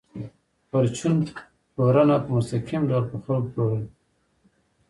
پرچون پلورنه په مستقیم ډول په خلکو پلورل دي